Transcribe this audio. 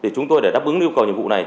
chúng tôi để đáp ứng yêu cầu nhiệm vụ này